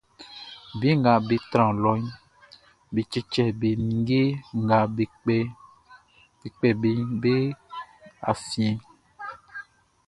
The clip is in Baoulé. Be nga be tran lɔʼn, be cɛcɛ be ninnge nga be kpɛ beʼn be afiɛn.